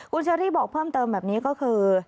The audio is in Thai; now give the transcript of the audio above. คุณเชอรี่บอกเพิ่มเติมแบบนี้ก็คือ